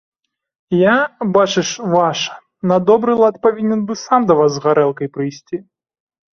Я, бачыш, ваша, на добры лад павінен бы сам да вас з гарэлкай прыйсці.